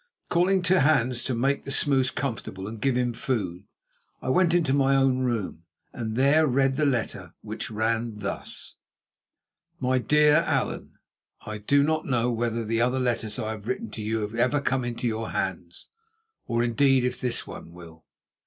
Calling to Hans to make the smous comfortable and give him food, I went into my own room, and there read the letter, which ran thus: "MY DEAR ALLAN,—I do not know whether the other letters I have written to you have ever come to your hands, or indeed if this one will.